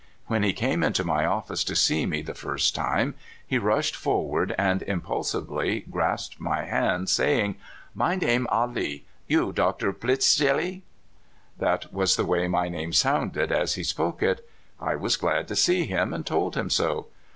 When he came into my office to see me the first time, he rushed forward and im pulsively grasped my hand , saying: "My name Ah Lee you Doctor Plitzjellie?" That was the way my name sounded as he spoke it. I was glad to see him, and told him so.